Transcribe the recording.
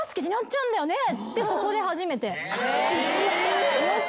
ってそこで初めて。